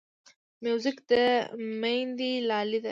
موزیک د میندې لالې دی.